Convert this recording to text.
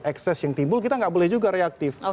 ekses yang timbul kita nggak boleh juga reaktif